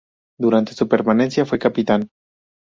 Durante su permanencia fue capitán.